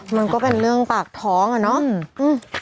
มันก็เป็นเรื่องปากท้องอะเนาะ